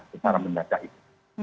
secara mendatang itu